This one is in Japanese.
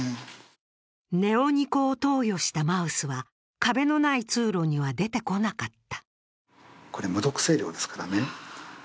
ネオニコを投与したマウスは壁のない通路には出てこなかった。